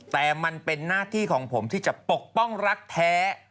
แต่มันเป็นหน้าที่ของผมที่จะปกป้องรักแท้